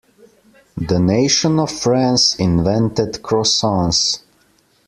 The nation of France invented croissants.